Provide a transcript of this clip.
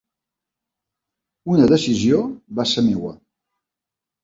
Una decisió va ser meva